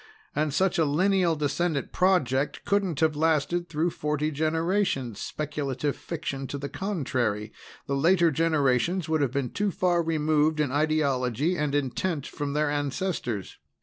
And such a lineal descendant project couldn't have lasted through forty generations, speculative fiction to the contrary the later generations would have been too far removed in ideology and intent from their ancestors.